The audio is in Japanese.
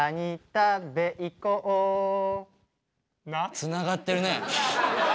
つながってるね！